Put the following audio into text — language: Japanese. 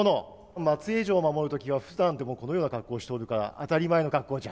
松江城を守る時はふだんでもこのような格好をしておるから当たり前の格好じゃ。